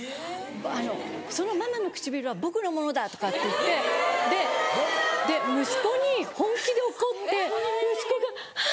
「そのママの唇は僕のものだ」とかって言って息子に本気で怒って息子が「アァ」。